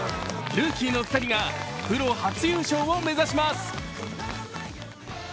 ルーキーの２人がプロ初優勝を目指します。